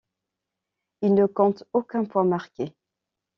Il ne compte aucun point marqué.